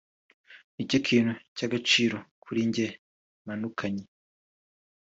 nicyo kintu cy’agaciro kuri njye manukanye